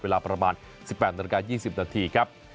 เวลาประมาณ๑๘น๒๐นครับ